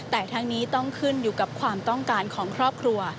แต่ทั้งนี้ต้องขึ้นอยู่กับความต้องการของครอบครัว